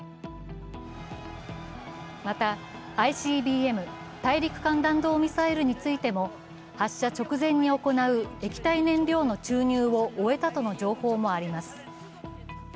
またＩＣＢＭ＝大陸間弾道ミサイルについても発射直前に行う液体燃料の注入を終えたとの情報もあります。